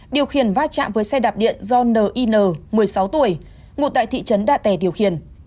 điều khiển va chạm với xe đạp điện do nin một mươi sáu tuổi ngụ tại thị trấn đạ tẻ điều khiển